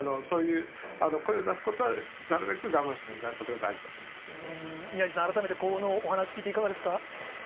そういう声を出すことは、なるべく我慢していただくことが大事だ宮治さん、改めてこのお話聞いていかがですか？